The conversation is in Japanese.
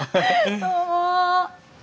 どうも。